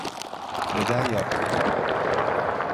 Neden yaptın?